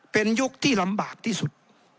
เป็นยุคที่ลำบากที่สุด